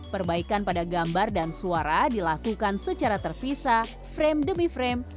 perbaikan pada gambar dan suara dilakukan secara terpisah frame demi frame